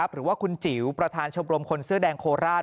หรือว่าคุณจิ๋วประธานชมรมคนเสื้อแดงโคราช